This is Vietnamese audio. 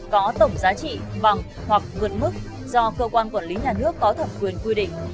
có tổng giá trị bằng hoặc vượt mức do cơ quan quản lý nhà nước có thẩm quyền quy định